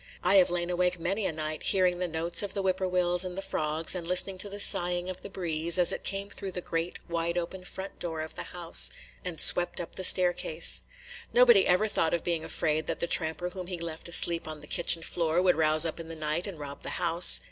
I have lain awake many a night hearing the notes of the whippoorwills and the frogs, and listening to the sighing of the breeze, as it came through the great wide open front door of the house, and swept up the staircase. Nobody ever thought of being afraid that the tramper whom he left asleep on the kitchen floor would rouse up in the night and rob the house.